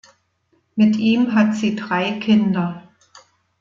Mit ihm hat sie drei Kinder.